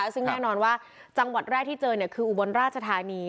ซึ่งแน่นอนว่าจังหวัดแรกที่เจอคืออุบลราชธานี